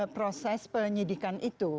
proses penyelidikan itu